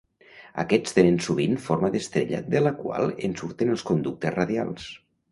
Aquests tenen sovint forma d'estrella de la qual en surten els conductes radials.